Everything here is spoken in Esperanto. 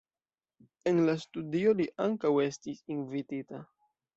En la studio li ankaŭ estis invitita.